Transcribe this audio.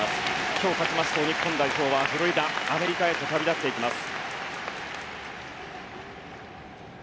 今日勝ちますと日本代表はフロリダ、アメリカへと旅立っていきます。